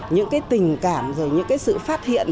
những cái tình cảm rồi những cái sự phát hiện